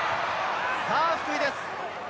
福井です。